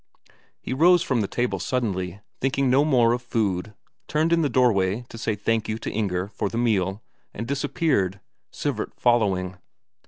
He rose from the table suddenly, thinking no more of food, turned in the doorway to say "Thank you" to Inger for the meal, and disappeared, Sivert following.